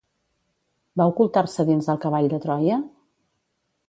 Va ocultar-se dins el Cavall de Troia?